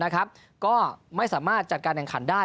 ก็ไม่สามารถจัดการแข่งขันได้